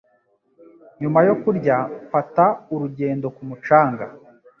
Nyuma yo kurya, mfata urugendo ku mucanga